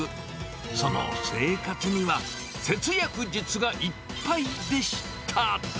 その生活には、節約術がいっぱいでした。